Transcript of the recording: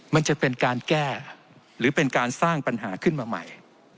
มันจะเป็นการแก้หรือเป็นการสร้างปัญหาขึ้นมาใหม่